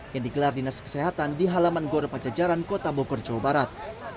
yang digelar dinas kesehatan di halaman goropan cajaran kota boker jawa barat